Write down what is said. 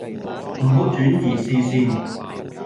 唔好轉移視線